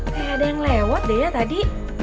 kayak ada yang lewat deh ya tadi